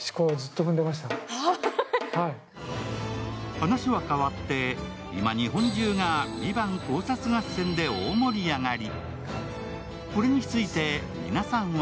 話は変わって、今日本中が「ＶＩＶＡＮＴ」考察合戦で大盛り上がり。